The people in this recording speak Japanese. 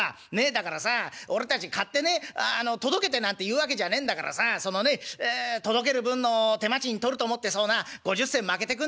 だからさあ俺たち買ってね届けてなんて言うわけじゃねえんだからさあそのね届ける分の手間賃取ると思ってそうな５０銭まけてくんねえかな？」。